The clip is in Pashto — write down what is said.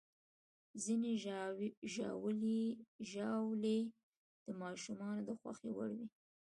ځینې ژاولې د ماشومانو د خوښې وړ وي.